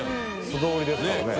素通りですからね。